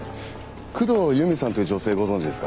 工藤由美さんという女性ご存じですか？